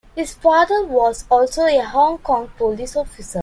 His father was also a Hong Kong Police officer.